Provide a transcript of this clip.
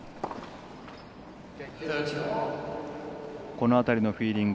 この辺りのフィーリング